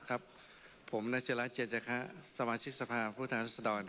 ครับผมนัชยะละเจชยะคะสมาชิตสภาพผู้ตามรัฐศุรรณ